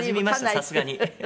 さすがに。